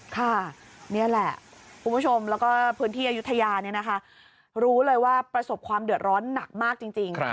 ค่ะนี่แหละคุณผู้ชมแล้วก็พื้นที่อายุทยาเนี่ยนะคะรู้เลยว่าประสบความเดือดร้อนหนักมากจริง